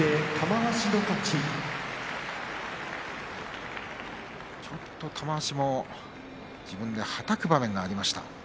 ちょっと玉鷲も自分ではたく場面がありました。